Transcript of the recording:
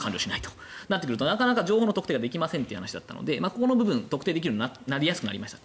そうなってくるとなかなか情報の特定ができませんという話なのでここの部分特定ができやすくなりました